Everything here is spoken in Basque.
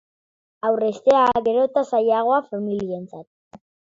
Aurreztea, gero eta zailagoa familientzat.